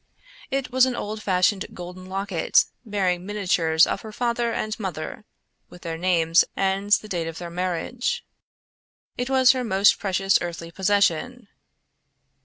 It was an old fashioned golden locket bearing miniatures of her father and mother with their names and the date of their marriage. It was her most precious earthly possession.